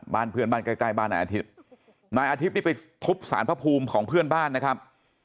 บ้านเพื่อนบ้านใกล้ใกล้บ้านนายอาทิตย์นายอาทิตย์นี่ไปทุบสารพระภูมิของเพื่อนบ้านนะครับ